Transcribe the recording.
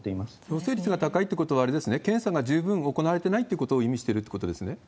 陽性率が高いってことは、あれですね、検査が十分行われてないってことを意味してるということですね。